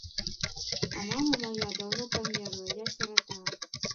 А мама мая даўно памерла, я сірата.